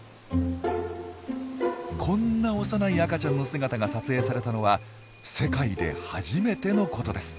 こんな幼い赤ちゃんの姿が撮影されたのは世界で初めてのことです。